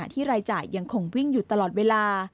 รายจ่ายยังคงวิ่งอยู่ตลอดเวลา